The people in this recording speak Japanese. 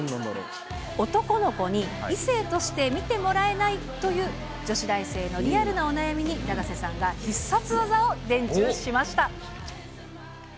男の子に、異性として見てもらえないという女子大生のリアルなお悩みに、永瀬さんが必殺技を伝授しました。